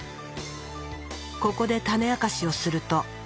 ここで種明かしをすると。